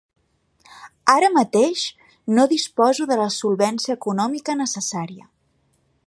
Ara mateix no disposo de la solvència econòmica necessària.